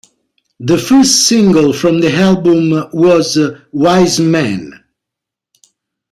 The first single from the album was "Wise Man".